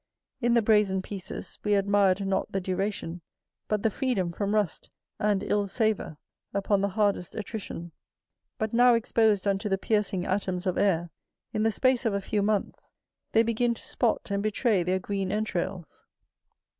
In the brazen pieces we admired not the duration, but the freedom from rust, and ill savour, upon the hardest attrition; but now exposed unto the piercing atoms of air, in the space of a few months, they begin to spot and betray their green entrails.